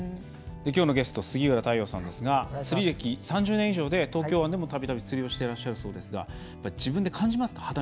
きょうのゲスト杉浦太陽さんですが釣り歴３０年以上で東京湾でも、たびたび釣りをしていらっしゃるそうですが自分で感じますか？